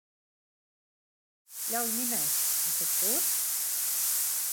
Ļauj minēt, viņš ir tur?